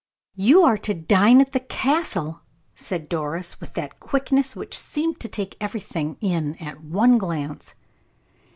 "You are to dine at the Castle," said Doris, with that quickness which seemed to take everything in at one glance.